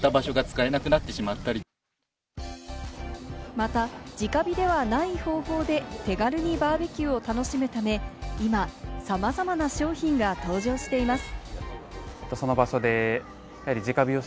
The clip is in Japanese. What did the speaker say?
また、直火ではない方法で手軽にバーベキューを楽しむため、今さまざまな商品が登場しています。